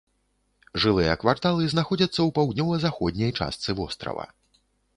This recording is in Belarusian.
Жылыя кварталы знаходзяцца ў паўднёва-заходняй частцы вострава.